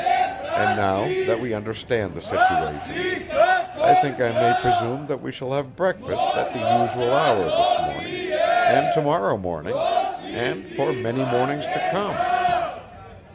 And now that we understand the situation, I think I may presume that we shall have breakfast at the usual hour this morning, and to morrow morning, and for many mornings to come.